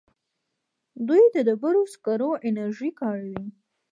دوی د ډبرو سکرو انرژي کاروي.